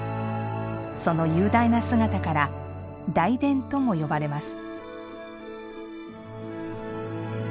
その雄大な姿から大殿とも呼ばれます。